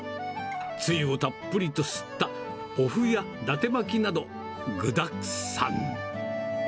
つゆをたっぷりと吸ったおふやだて巻きなど、具だくさん。